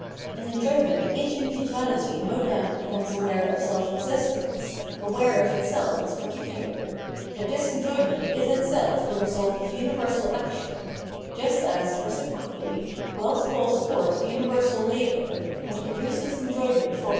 In enjoyment each individuahty no doubt becomes aware of self existence, aware of itself as particular; but this enjoyment is itself the result of universal action, just as, reciprocally, wealth calls forth universal labour, and produces enjoyment for ah.